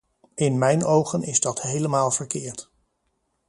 In mijn ogen is dat helemaal verkeerd.